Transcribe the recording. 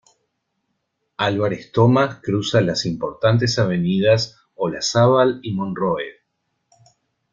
Álvarez Thomas cruza las importantes avenidas Olazábal y Monroe.